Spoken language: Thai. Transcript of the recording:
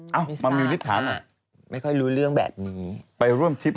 เนอะไม่สามารถค่ะไม่ค่อยรู้เรื่องแบบนี้ไปร่วมทิพย์ไฮโซ